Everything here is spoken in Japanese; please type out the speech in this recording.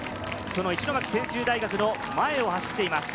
石巻専修大学の前を走っています。